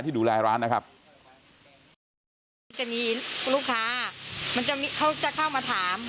ดูแลร้านนะครับจะมีลูกค้ามันจะเขาจะเข้ามาถาม